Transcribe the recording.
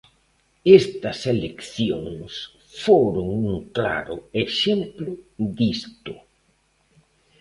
Estas eleccións foron un claro exemplo disto.